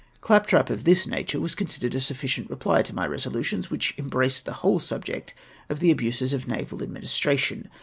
Claptrap of this nature was considered a sufficient reply to my resolutions, which embraced the whole subject of the abuses of naval administration.